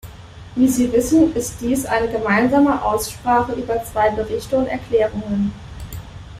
Wie Sie wissen, ist dies eine gemeinsame Aussprache über zwei Berichte und Erklärungen.